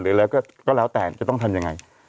หรืออะไรก็แล้วแต่จะต้องทำยังไง